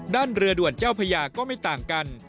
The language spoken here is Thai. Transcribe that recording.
เรือด่วนเจ้าพญาก็ไม่ต่างกัน